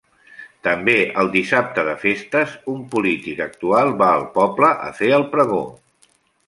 També el dissabte de festes, un polític actual va al poble a fer el pregó.